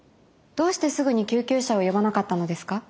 どうしてすぐに救急車を呼ばなかったのですか？